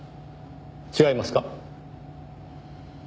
違いますか？